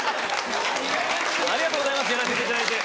ありがとうございますやらせていただいて。